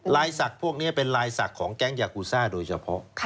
ลายศักดิ์พวกนี้เป็นลายศักดิ์ของแก๊งยากูซ่าโดยเฉพาะ